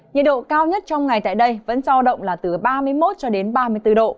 nhiệt độ cao nhất trong ngày tại đây vẫn giao động là từ ba mươi một cho đến ba mươi bốn độ